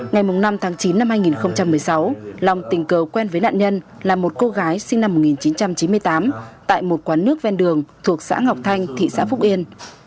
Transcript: ngày năm tháng chín năm hai nghìn một mươi sáu long tình cờ quen với nạn nhân là một cô gái sinh năm một nghìn chín trăm chín mươi tám tại một quán nước ven đường thuộc xã ngọc thanh thị xã phúc yên